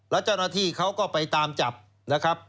แล้วเจ้าหน้าที่เขาก็ไปตามจับนะครับ